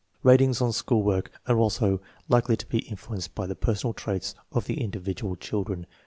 Ratings on school work are also likely to be influ enced by the personal traits of the individual children.